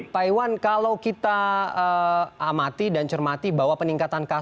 pak iwan kalau kita amati dan cermati bahwa peningkatan kasus